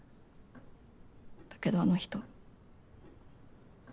だけどあの人。